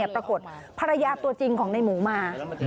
ปรากฏภรรยาตัวจริงของในหมูมา